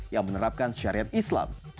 yang menerapkan syariat islam